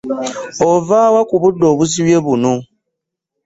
Ova wa ku budde obuzibye buno?